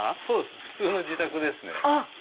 そうです普通の自宅ですね。